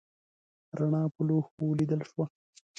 رڼا په لوښو ولیدل شوه.